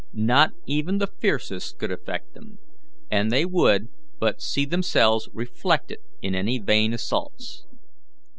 Not even the fiercest could affect them, and they would but see themselves reflected in any vain assaults.